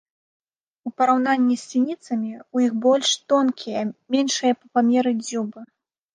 У параўнанні з сініцамі ў іх больш тонкія, меншыя па памеры дзюбы.